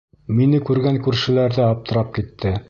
Мине күргән күршеләр ҙә аптырап китте.